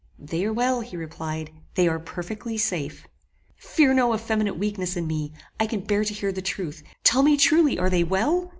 "They are well," he replied; "they are perfectly safe." "Fear no effeminate weakness in me: I can bear to hear the truth. Tell me truly, are they well?"